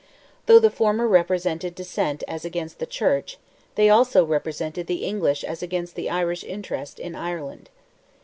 Though the former represented dissent as against the church, they also represented the English as against the Irish interest, in Ireland.